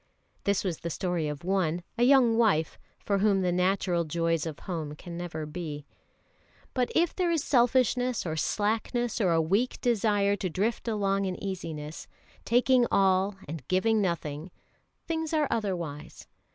This was the story of one, a young wife, for whom the natural joys of home can never be. But if there is selfishness or slackness or a weak desire to drift along in easiness, taking all and giving nothing, things are otherwise.